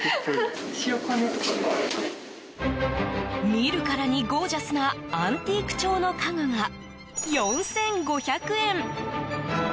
見るからにゴージャスなアンティーク調の家具が４５００円。